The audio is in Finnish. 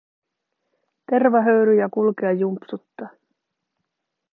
Tervahöyryjä kulkea jumpsuttaa.